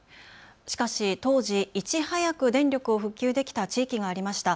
しかし当時、いち早く電力を復旧できた地域がありました。